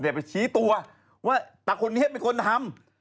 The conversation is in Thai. ไปชี้ตัวว่าตาคนนี้เป็นคนทำ